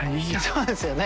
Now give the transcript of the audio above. そうですよね。